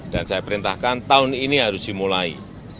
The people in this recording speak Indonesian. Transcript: dan saya perintahkan tahun ini harus dimulai